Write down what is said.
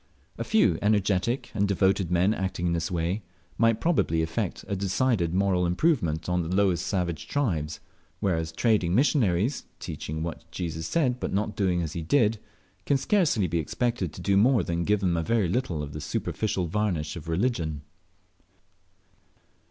A few energetic and devoted men acting in this way might probably effect a decided moral improvement on the lowest savage tribes, whereas trading missionaries, teaching what Jesus said, but not doing as He did, can scarcely be expected to do more than give them a very little of the superficial varnish of religion.